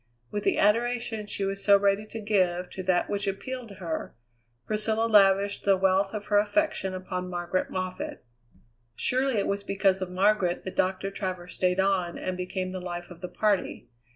With the adoration she was so ready to give to that which appealed to her, Priscilla lavished the wealth of her affection upon Margaret Moffatt. Surely it was because of Margaret that Doctor Travers stayed on, and became the life of the party.